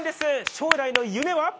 将来の夢は？